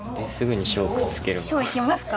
小いきますか？